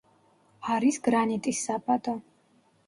არის გრანიტის საბადო.